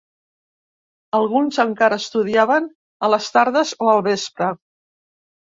Alguns encara estudiaven a les tardes o al vespre.